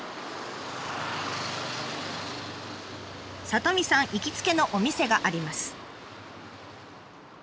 里美さん行きつけのお店があります。